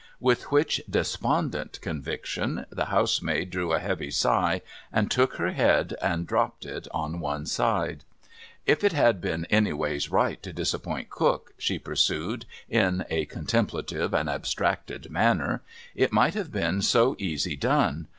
With which despondent conviction, the housemaid drew a heavy sigh, and shook her head, and dropped it on one side. ' If it had been anyways right to disappoint Cook,' she pursued, in a contemplative and abstracted manner, ' it might have been so easy done